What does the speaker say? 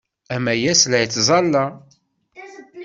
Amayas la yettẓalla.